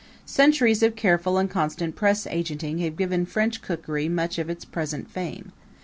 Centuries of careful and constant press agenting have given French cookery much of its present fame.